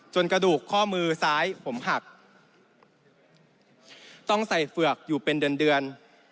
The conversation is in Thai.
กระดูกข้อมือซ้ายผมหักต้องใส่เฝือกอยู่เป็นเดือนเดือน